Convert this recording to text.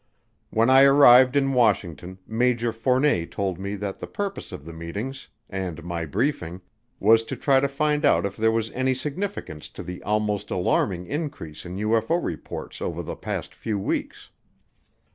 When I arrived in Washington, Major Fournet told me that the purpose of the meetings, and my briefing, was to try to find out if there was any significance to the almost alarming increase in UFO reports over the past few weeks.